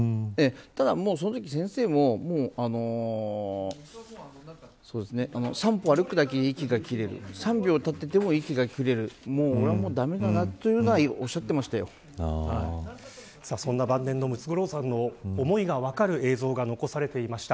ただ、そのとき先生も３歩歩くだけで息が切れる３秒立っていても息が切れる俺は駄目だなとそんな晩年のムツゴロウさんの思いが分かる映像が残されていました。